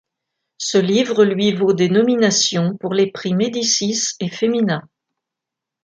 Ce livre lui vaut des nominations pour les prix Médicis et Femina.